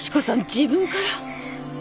自分から？